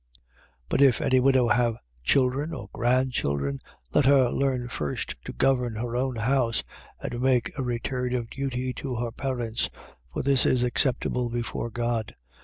5:4. But if any widow have children or grandchildren, let her learn first to govern her own house and to make a return of duty to her parents; for this is acceptable before God.